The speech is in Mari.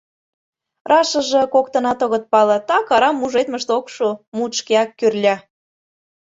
Рашыже коктынат огыт пале, так арам мужедмышт ок шу... мут шкеак кӱрльӧ.